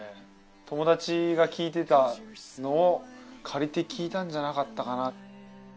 友達が聴いてたのを借りて聴いたんじゃなかったかな。